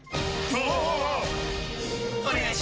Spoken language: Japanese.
お願いします！！！